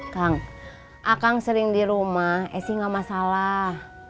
kang akang sering di rumah eh sih gak masalah